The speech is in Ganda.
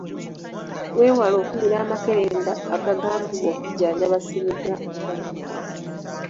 Weewale okumira amakerenda agagambibwa okujjanjaba ssennyiga omukambwe.